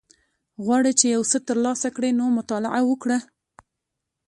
غواړی چی یوڅه تر لاسه کړی نو مطالعه وکړه